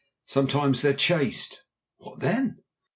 Sometimes they're chased." "What then?"